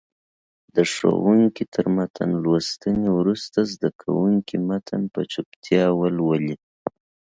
د ښوونکي تر متن لوستنې وروسته زده کوونکي متن په چوپتیا ولولي.